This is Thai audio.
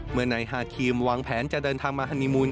เมื่อนายฮาครีมวางแผนจะเดินทางมาฮานีมูล